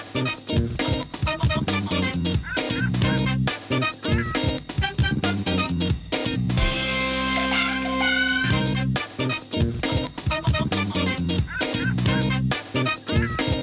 โปรดติดตามตอนต่อไป